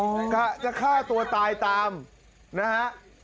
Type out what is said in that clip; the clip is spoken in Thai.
กะทะจะฆ่าตัวตายตามนะครับ